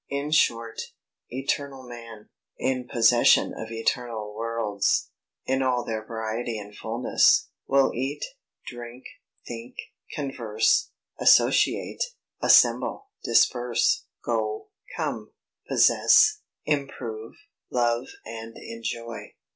In short, eternal man, in possession of eternal worlds, in all their variety and fulness, will eat, drink, think, converse, associate, assemble, disperse, go, come, possess, improve, love and enjoy.